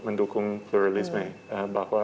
mendukung pluralisme bahwa